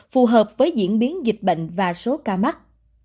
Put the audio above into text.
phù hợp với diễn biến dịch bệnh và số ca mắc